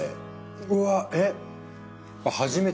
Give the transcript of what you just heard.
うわえっ。